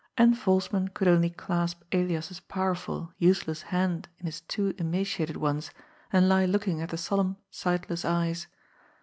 And Vols man could only clasp Elias's powerful, useless hand in his two emaciated ones and lie looking at the solemn sightless eyes.